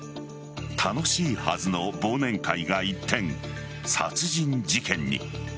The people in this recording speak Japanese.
楽しいはずの忘年会が一転殺人事件に。